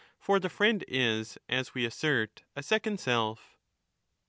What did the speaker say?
For the friend is, as we assert,^ a second self.